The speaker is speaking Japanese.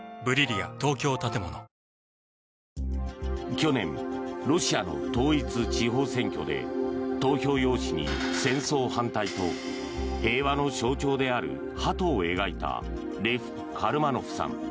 去年、ロシアの統一地方選挙で投票用紙に戦争反対と平和の象徴であるハトを描いたレフ・カルマノフさん。